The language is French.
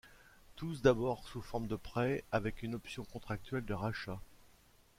Tous d'abord sous forme de prêt avec une option contractuelle de rachat.